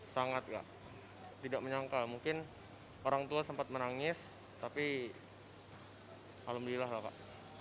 sangat nggak tidak menyangka mungkin orang tua sempat menangis tapi alhamdulillah lah kak